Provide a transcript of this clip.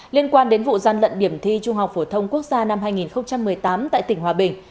liên quan đến vụ gian lận điểm thi trung học phổ thông quốc gia năm hai nghìn một mươi tám tại tỉnh hòa bình